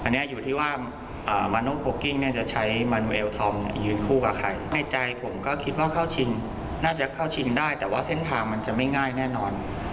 ในใจผมก็คิดว่าเข้าชิงน่าจะเข้าชิงได้แต่ว่าเส้นทางมันจะไม่ง่ายแน่นอน